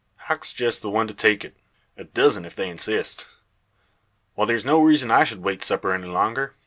Hawk's jest the one to take it a dozen, if they insist. Well, there's no reason I should wait supper any longer.